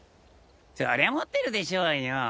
そりゃ持ってるでしょうよ。